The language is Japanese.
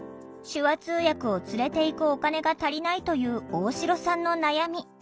手話通訳を連れていくお金が足りないという大城さんの悩み。